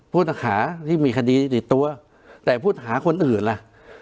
ผู้ต้องหาที่มีคดีติดตัวแต่ผู้หาคนอื่นล่ะ